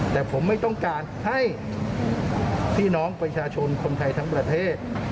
แต่ผมไม่ต้องการให้พี่น้องประชาชนคนไทยทั้งประเทศ